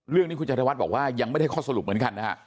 เรื่องนี้คุณจันทวัฒน์บอกว่ายังไม่ได้ข้อสรุปเหมือนกันนะฮะ